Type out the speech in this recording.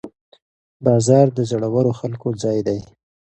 بازار د زړورو خلکو ځای دی.